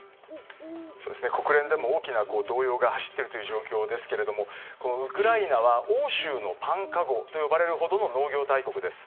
国連でも大きな動揺が走っている状況ですがウクライナは欧州のパンかごと呼ばれるほどの農業大国です。